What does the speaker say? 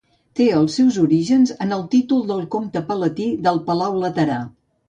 Té els seus orígens en el títol de comte palatí del Palau Laterà.